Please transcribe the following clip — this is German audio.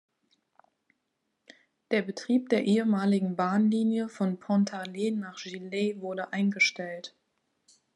Der Betrieb der ehemaligen Bahnlinie von Pontarlier nach Gilley wurde eingestellt.